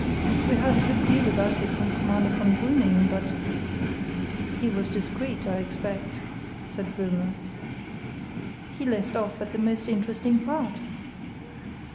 We heard a good deal about it from Commander von Brüning; but——" "He was discreet, I expect," said Böhme. "He left off at the most interesting part."